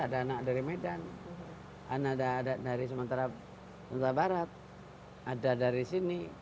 ada anak dari medan ada dari sementara nusa barat ada dari sini